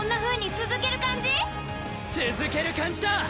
続ける感じだ！